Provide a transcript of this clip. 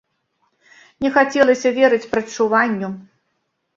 Не хацелася верыць прадчуванню.